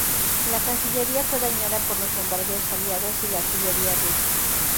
La Cancillería fue dañada por los bombardeos aliados y la artillería rusa.